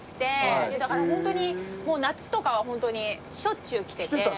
だからホントに夏とかはホントにしょっちゅう来てて。